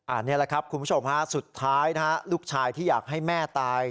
อันนี้แหละครับคุณผู้ชมฮะสุดท้ายนะฮะลูกชายที่อยากให้แม่ตาย